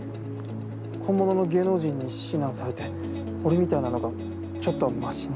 本物の芸能人に指南されて俺みたいなのがちょっとはましに。